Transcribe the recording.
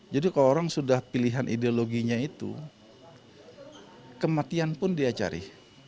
jadi kalau orang sudah pilihan ideologinya itu kematian pun dia cari